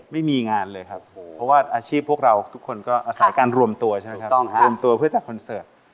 ไม่มีงานเลยครับเพราะว่าอาชีพพวกเราทุกคนก็อาศัยการรวมตัวใช่ป่าไปนะครับ